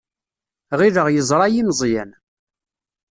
Ɣileɣ yeẓra-iyi Meẓyan.